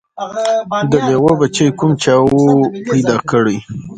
د لېوه بچی کوم چا وو پیدا کړی